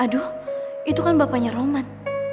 aduh itu kan bapaknya rohman